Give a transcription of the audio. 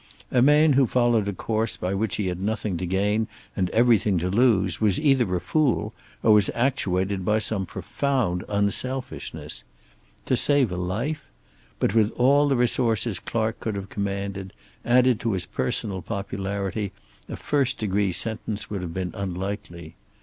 A man who followed a course by which he had nothing to gain and everything to lose was either a fool or was actuated by some profound unselfishness. To save a life? But with all the resources Clark could have commanded, added to his personal popularity, a first degree sentence would have been unlikely.